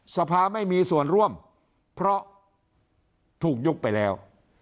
สภาไม่มีส่วนร่วมเพราะถูกยุบไปแล้ว